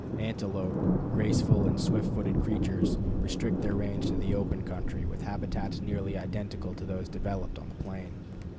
Antelope, graceful and swift footed creatures, restrict their range to the open country, with habits nearly identical to those developed on the plain.